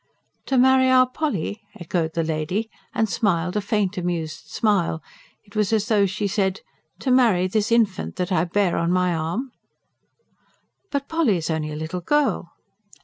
"To marry our Polly?" echoed the lady, and smiled a faint, amused smile it was as though she said: to marry this infant that I bear on my arm. "But Polly is only a little girl!"